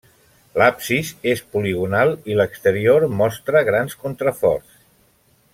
L'absis és poligonal, i l'exterior mostra grans contraforts.